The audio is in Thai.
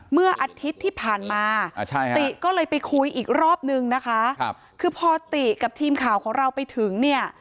เมื่ออาทิตย์ที่ผ่านมาติก็เลยไปคุยอีกรอบนึงนะคะคือพอติกับทีมข่าวของเราไปถึงเนี่ย